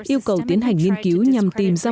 yêu cầu tiến hành nghiên cứu nhằm tìm ra